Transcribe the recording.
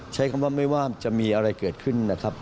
ใช้คำว่าไม่ว่าจะมีอะไรเกิดขึ้นนะครับ